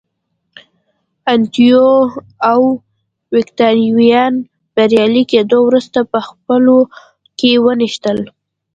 انتو او اوکتاویان بریالي کېدو وروسته په خپلو کې ونښتل